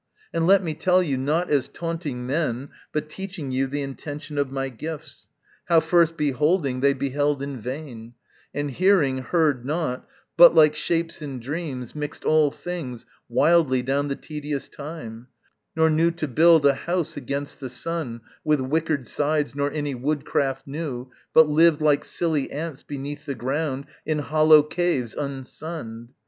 And let me tell you not as taunting men, But teaching you the intention of my gifts, How, first beholding, they beheld in vain, And hearing, heard not, but, like shapes in dreams, Mixed all things wildly down the tedious time, Nor knew to build a house against the sun With wickered sides, nor any woodcraft knew, But lived, like silly ants, beneath the ground In hollow caves unsunned.